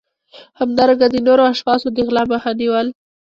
همدارنګه د نورو اشخاصو د غلا مخه نیول